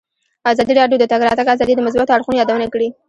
ازادي راډیو د د تګ راتګ ازادي د مثبتو اړخونو یادونه کړې.